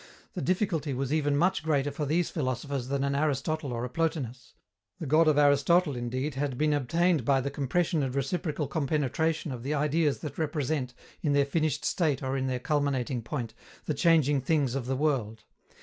The difficulty was even much greater for these philosophers than an Aristotle or a Plotinus. The God of Aristotle, indeed, had been obtained by the compression and reciprocal compenetration of the Ideas that represent, in their finished state or in their culminating point, the changing things of the world.